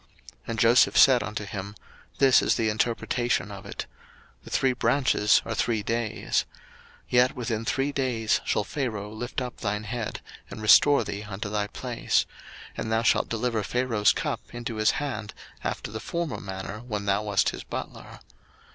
01:040:012 And Joseph said unto him, This is the interpretation of it: The three branches are three days: 01:040:013 Yet within three days shall Pharaoh lift up thine head, and restore thee unto thy place: and thou shalt deliver Pharaoh's cup into his hand, after the former manner when thou wast his butler.